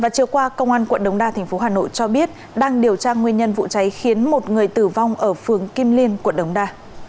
chiều qua công an quận đống đa tp hà nội cho biết đang điều tra nguyên nhân vụ cháy khiến một người tử vong ở phường kim liên quận đống đa